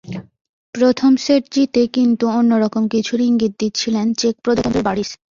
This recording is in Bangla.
প্রথম সেট জিতে কিন্তু অন্য রকম কিছুর ইঙ্গিত দিচ্ছিলেন চেক প্রজাতন্ত্রের বার্ডিচ।